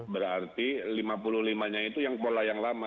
berarti lima puluh lima nya itu yang pola yang lama